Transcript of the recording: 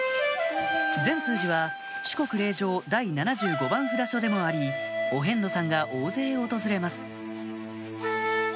善通寺は四国霊場第７５番札所でもありお遍路さんが大勢訪れます